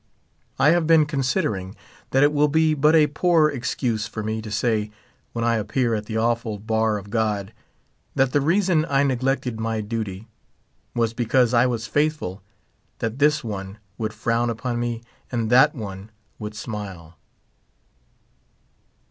I have been considering that it will be but a poor excuse for me to say, when I appear at the awful bar of God, that the reason I u collected my duty was because I was faithful that this one would frown upon me and that one would smile.